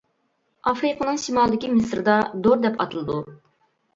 ئافرىقىنىڭ شىمالىدىكى مىسىردا «دور» دەپ ئاتىلىدۇ.